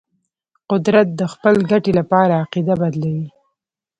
قدرت د خپل ګټې لپاره عقیده بدلوي.